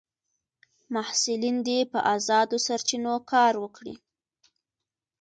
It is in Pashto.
محصلین دي په ازادو سرچینو کار وکړي.